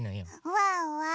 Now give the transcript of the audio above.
ワンワン